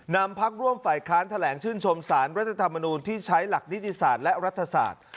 นำพักร่วมฝ่ายค้านแถลงชื่นชมสารรัฐธรรมนูลที่ใช้หลักนิติศาสตร์และรัฐศาสตร์